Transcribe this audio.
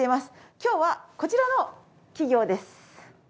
今日はこちらの企業です。